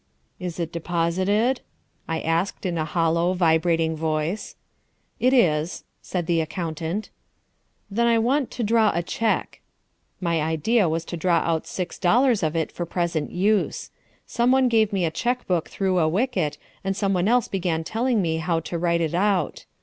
"Is it deposited?" I asked in a hollow, vibrating voice. "It is," said the accountant. "Then I want to draw a cheque." My idea was to draw out six dollars of it for present use. Someone gave me a chequebook through a wicket and someone else began telling me how to write it out.